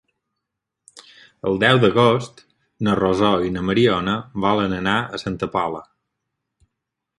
El deu d'agost na Rosó i na Mariona volen anar a Santa Pola.